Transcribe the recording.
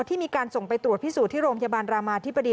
ที่มีการส่งไปตรวจพิสูจน์ที่โรงพยาบาลรามาธิบดี